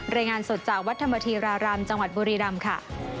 รายงานสดจากวัดธรรมธีรารามจังหวัดบุรีรำค่ะ